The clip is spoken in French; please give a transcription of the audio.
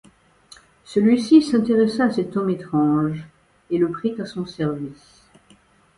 Celui-ci s'intéressa à cet homme étrange et le prit à son service.